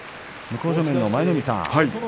向正面の舞の海さん。